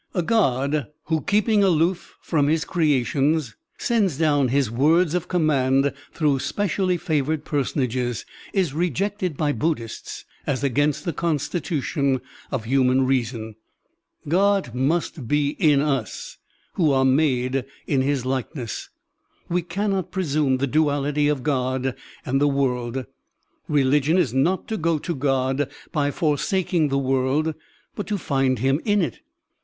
A God who, keeping aloof from his crea tions, sends down his words of command through specially favored personages, is rejected by Buddhists as against the constitution of himian Digitized by Google THE GOD CONCEPTION OF BUDDHISM 29 reason. God must be in us, who are made in his likeness. We cannot presume the duality of God and the world. Religion is not to go to God by forsaking the world, but to find him in it.